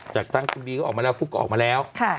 จากตั้งคุณบีก็ออกมาแล้วฟุ๊กก็ออกมาแล้ว